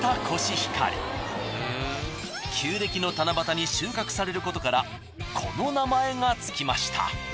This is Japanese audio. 旧暦の七夕に収穫されることからこの名前がつきました。